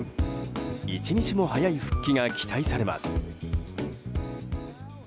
一日も早い復帰が期待されます。